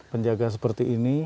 penjaga seperti ini